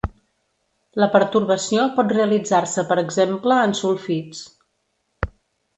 La pertorbació pot realitzar-se per exemple en sulfits.